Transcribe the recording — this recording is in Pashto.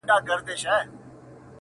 • دا سړی ملامت نه بولم یارانو..